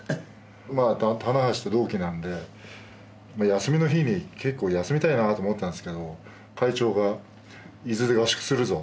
棚橋と同期なんで休みの日に結構休みたいなと思ったんですけど会長が「伊豆で合宿するぞ。